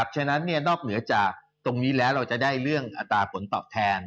ฉะนั้นนอกเหนือจากตรงนี้แล้วเราจะได้เรื่องอัตราผลตอบแทน